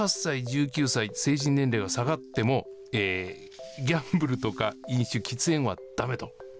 １８歳、１９歳、成人年齢が下がっても、ギャンブルとか飲酒、喫煙はだめと。